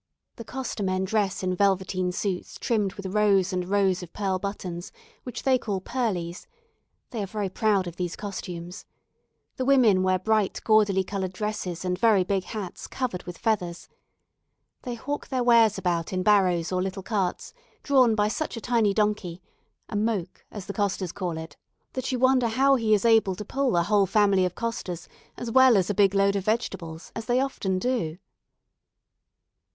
The coster men dress in velveteen suits trimmed with rows and rows of pearl buttons, which they call "pearlies." They are very proud of these costumes. The women wear bright, gaudily coloured dresses, and very big hats, covered with feathers. They hawk their wares about in barrows or little carts, drawn by such a tiny donkey (a "moke" as the costers call it), that you wonder how he is able to pull a whole family of costers as well as a big load of vegetables, as they often do.